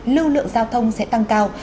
lưu lượng giao thông sẽ tăng cao